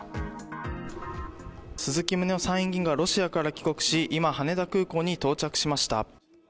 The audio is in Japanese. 鈴木宗男参院議員がロシアから帰国し、今、羽田空港に到着しました。